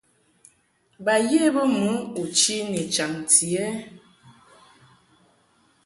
Ba ye bə mɨ u chi ni chaŋti ɛ ?